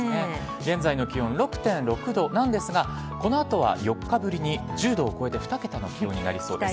現在の気温６．６度なんですが、このあとは４日ぶりに１０度を超えて、２桁の気温になりそうです。